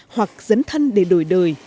hoặc dấn thân để đổi đời